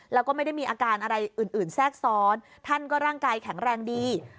แล้วก็ไม่ได้มีอาการอะไรอื่นแทรกซ้อนท่านก็ร่างกายแข็งแรงดี